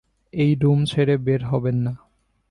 এই রূম ছেড়ে বের হবেন না।